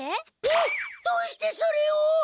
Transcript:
えっどうしてそれを！？